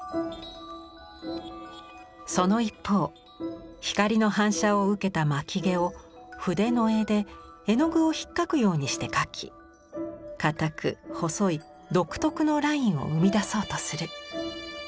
その一方光の反射を受けた巻き毛を筆の柄で絵の具をひっかくようにして描きかたく細い独特のラインを生み出そうとする。